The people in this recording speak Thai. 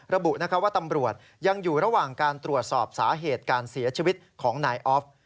ระบุว่าตำรวจยังอยู่ระหว่างการตรวจสอบสาเหตุการเสียชีวิตของนายออฟ